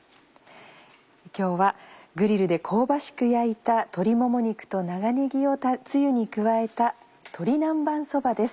今日はグリルで香ばしく焼いた鶏もも肉と長ねぎをつゆに加えた「鶏南蛮そば」です。